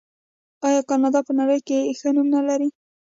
آیا کاناډا په نړۍ کې ښه نوم نلري؟